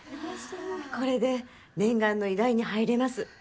これで念願の医大に入れます。